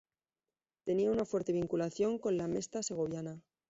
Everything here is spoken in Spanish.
Tenía una fuerte vinculación con la Mesta segoviana.